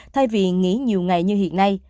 thay vì nghỉ nhiều ngày như hiện nay